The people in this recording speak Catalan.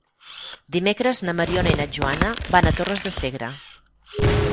Dimecres na Mariona i na Joana van a Torres de Segre.